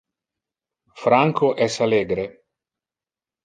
Franco es allegre.